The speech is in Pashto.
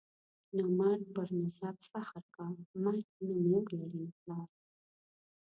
نامرد پر نسب فخر کا، مرد نه مور لري نه پلار.